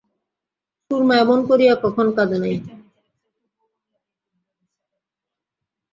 সুরমা এমন করিয়া কখন কাঁদে নাই।